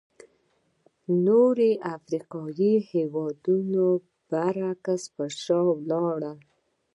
نور افریقایي هېوادونه برعکس پر شا لاړل.